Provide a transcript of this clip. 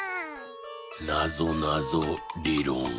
「なぞなぞりろん」。